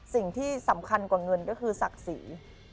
สิ่งที่สำคัญกว่าเงินก็คือศักดิ์ศรี